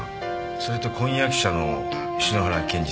それと婚約者の篠原健治さん。